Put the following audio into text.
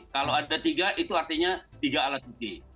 kalau ada tiga itu artinya tiga alat bukti